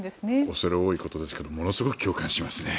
恐れ多いことですがものすごく共感しますね。